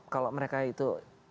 kalau mereka itu